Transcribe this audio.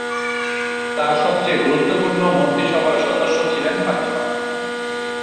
তার সবচেয়ে গুরুত্বপূর্ণ মন্ত্রিসভার সদস্য ছিলেন ফাতিমা।